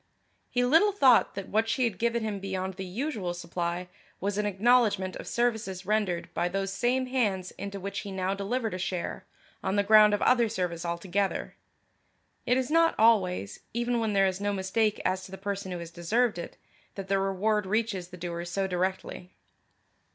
He little thought that what she had given him beyond the usual supply was an acknowledgment of services rendered by those same hands into which he now delivered a share, on the ground of other service altogether. It is not always, even where there is no mistake as to the person who has deserved it, that the reward reaches the doer so directly.